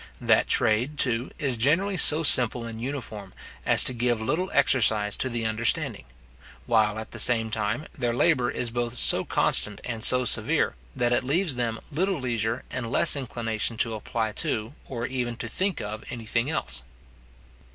That trade, too, is generally so simple and uniform, as to give little exercise to the understanding; while, at the same time, their labour is both so constant and so severe, that it leaves them little leisure and less inclination to apply to, or even to think of any thing else.